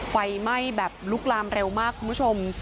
ไฟไหม้แบบลุกลามเร็วมากคุณผู้ชม